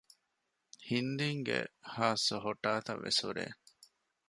ހިންދީންގެ ޚާއްސަ ހޮޓާތައް ވެސް ހުރޭ